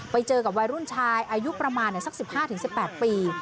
ไปเจอกับวัยรุ่นชายอายุประมาณสัก๑๕๑๘ปี